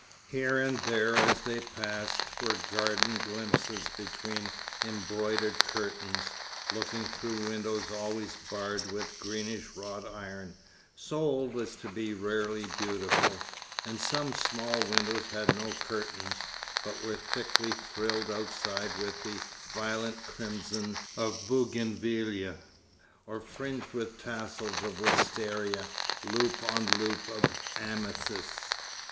Here and there as they passed, were garden glimpses, between embroidered curtains, looking through windows always barred with greenish wrought iron, so old as to be rarely beautiful; and some small windows had no curtains, but were thickly frilled outside with the violent crimson of bougainvillæa, or fringed with tassels of wistaria, loop on loop of amethysts.